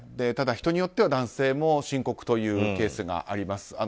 ただ、人によっては男性も深刻というケースがあります。